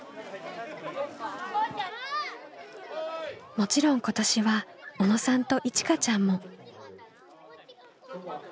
もちろん今年は小野さんといちかちゃんも。